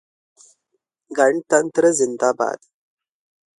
गणतन्त्र ज़िंदाबाद!